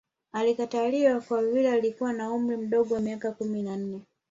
Alikataliwa kwa vile alikuwa na umri mdogo wa miaka kumi na nne